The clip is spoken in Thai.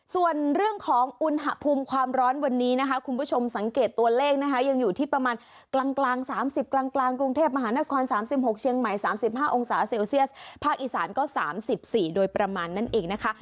ส่วนเรื่องของอุณหภูมิความร้อนวันนี้นะคะคุณผู้ชมสังเกตตัวเลขนะคะยังอยู่ที่ประมาณกลาง๓๐กลางกรุงเทพมหานคร๓๖เชียงใหม่๓๕องศาเซลเซียสภาคอีสานก็๓๔โดยประมาณนั่นเองนะคะ